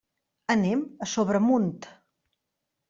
Anem a Sobremunt.